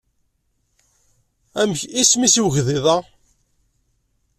Amek isem-is i ugḍiḍ-a?